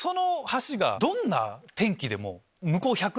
どんな天気でも。